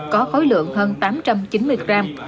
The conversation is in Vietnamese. có khối lượng hơn tám trăm chín mươi gram